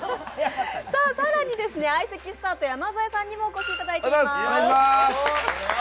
更に相席スタート山添さんにもお越しいただいています。